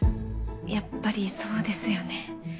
やっぱりそうですよね。